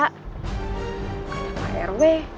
kena pak rw